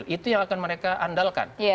itu yang akan mereka andalkan